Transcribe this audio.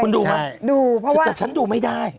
คุณดูหรอดูเพราะว่าแต่ฉันดูไม่ได้